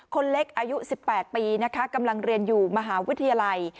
คนเล็กอายุ๑๘ปีนะคะกำลังเรียนอยู่มหาวิทยาลัย